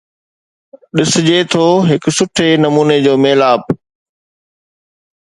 ڏسجي ٿو هڪ سٺي نموني جو ميلاپ